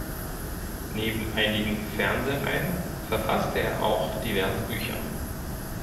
Neben einigen Fernsehreihen verfasste er auch diverse Bücher.